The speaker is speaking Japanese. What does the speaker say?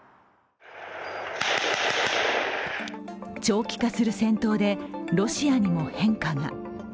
長期化する戦闘でロシアにも変化が。